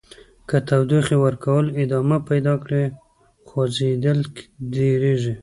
که تودوخې ورکول ادامه پیدا کړي خوځیدل ډیریږي.